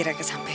tade kan baru